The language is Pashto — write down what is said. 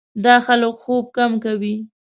دا خلک خوب کم کوي.